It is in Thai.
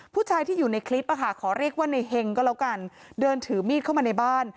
ผู้ชายที่อยู่ในคลิปขอเรียกว่าในเฮงก็แล้วกันเดินถือมีดเข้ามาในบ้าน